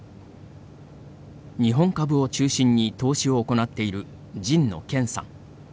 日本株を中心に投資を行っている神野研さん。